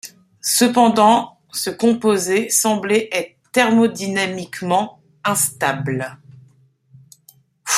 Cependant, ce composé semblait être thermodynamiquement instable.